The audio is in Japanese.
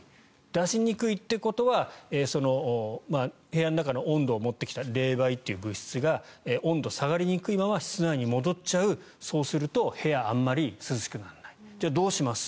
出しにくいということは部屋の中の温度を持ってきた冷媒という物質が温度が下がりにくいまま室内に戻るそうすると部屋があまり涼しくならないじゃあ、どうします？